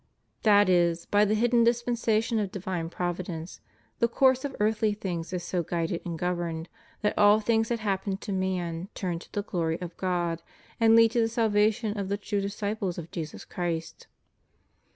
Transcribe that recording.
^ That is, by the hidden dispensation of divine Providence the course of earthly things is so guided and governed that all things that happen to man turn to the glory of God, and lead to the salvation of the true disciples of Jesus Christ.